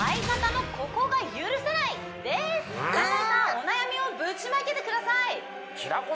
お悩みをぶちまけてください